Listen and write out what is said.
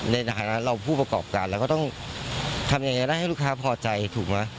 ในฐานะเราผู้ประกอบการเราก็ต้องทำยังไงได้ให้ลูกค้าพอใจถูกไหม